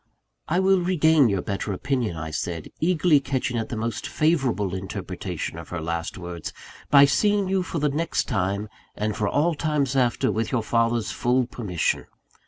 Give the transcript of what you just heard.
"I will regain your better opinion," I said, eagerly catching at the most favourable interpretation of her last words, "by seeing you for the next time, and for all times after, with your father's full permission.